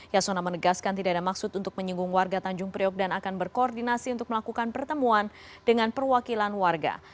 yasona menegaskan tidak ada maksud untuk menyinggung warga tanjung priok dan akan berkoordinasi untuk melakukan pertemuan dengan perwakilan warga